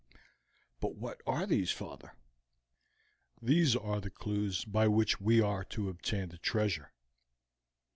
"But what are these, father?" "These are the clews by which we are to obtain the treasure."